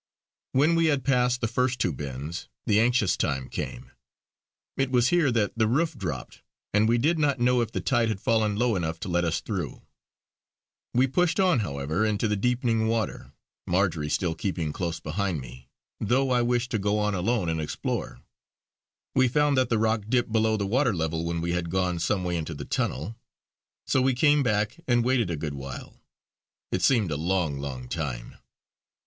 When we had passed the first two bends, the anxious time came; it was here that the roof dropped, and we did not know if the tide had fallen low enough to let us through. We pushed on however into the deepening water, Marjory still keeping close behind me, though I wished to go on alone and explore. We found that the rock dipped below the water level when we had gone some way into the tunnel. So we came back and waited a good while it seemed a long, long time.